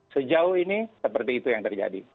sejauh ini seperti itu yang terjadi